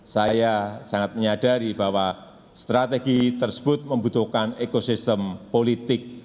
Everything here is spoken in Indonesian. saya sangat menyadari bahwa strategi tersebut membutuhkan ekosistem politik